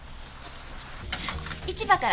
市場から。